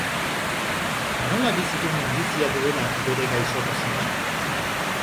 Nola bizi du minbizia duenak bere gaixotasuna?